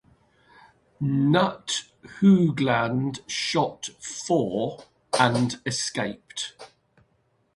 Knut Haugland shot four, and escaped.